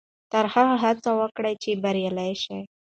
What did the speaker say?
تر هغې هڅه وکړئ چې بریالي شئ.